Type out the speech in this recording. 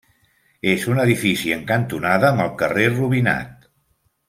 És un edifici en cantonada amb el carrer Rubinat.